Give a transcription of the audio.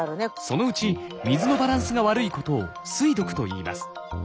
そのうち水のバランスが悪いことを水毒といいます。